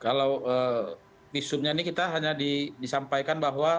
kalau visumnya ini kita hanya disampaikan bahwa